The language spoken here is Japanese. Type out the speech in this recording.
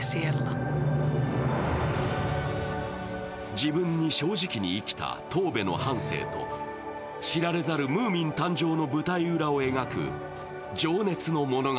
自分に正直に生きたトーベの半生と、知られざるムーミン誕生の舞台裏を描く情熱の物語。